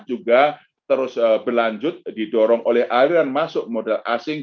juga terus berlanjut didorong oleh aliran masuk modal asing